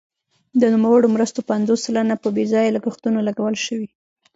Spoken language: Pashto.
د نوموړو مرستو پنځوس سلنه په بې ځایه لګښتونو لګول شوي.